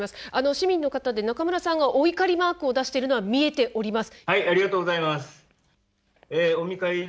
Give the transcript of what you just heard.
市民の方で、中村さんがお怒りマークを出しているのは見えております。